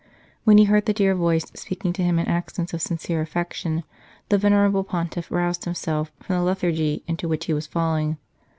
When he heard the dear voice, speaking to him in accents of sincere affection, the venerable Pontiff roused himself from the lethargy into which he was falling.